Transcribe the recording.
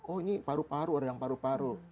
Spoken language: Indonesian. oh ini paru paru ada yang paru paru